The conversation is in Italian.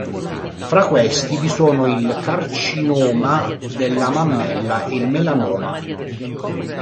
Fra questi vi sono il carcinoma della mammella e il melanoma.